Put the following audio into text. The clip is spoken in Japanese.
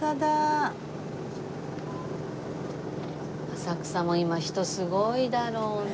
浅草も今人すごいだろうな。